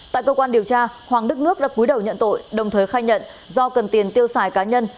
tại cơ quan điều tra hoàng đức nước đã cúi đầu nhận tội đồng thời khai nhận do cần tiền tiêu xài cá nhân